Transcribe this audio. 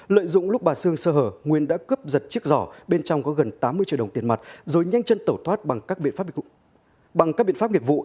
lợi dụng lúc bà sương sơ hở nguyên đã cướp giật chiếc giỏ bên trong có gần tám mươi triệu đồng tiền mặt rồi nhanh chân tẩu thoát bằng các biện pháp nghiệp vụ